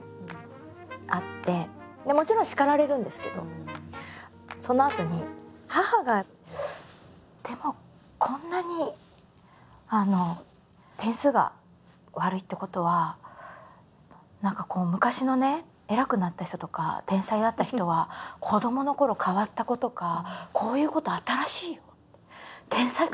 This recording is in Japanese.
もちろん叱られるんですけどそのあとに母が「でもこんなに点数が悪いってことは何か昔のね偉くなった人とか天才だった人は子どものころ変わった子とかこういうことあったらしい」と。